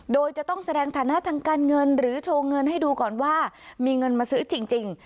โดยจะต้องแสดงฐานะทางการเงินหรือโชว์เงินให้ดูก่อนว่ามีเงินมาซื้อจริง